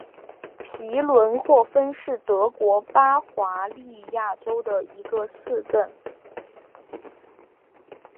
皮伦霍芬是德国巴伐利亚州的一个市镇。